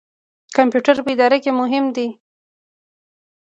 کمپیوټر په اداره کې مهم دی